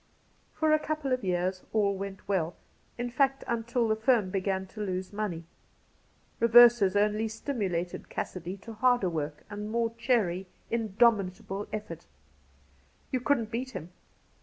For a couple of years aU went well — in fact, until the firm began to lose money. Eeverses only stimulated Cassidy to harder work and more cheery, indomitable effort. You couldn't beat him.